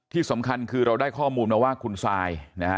ที่สำคัญคือเราได้ข้อมูลมาว่าคุณซายนะฮะ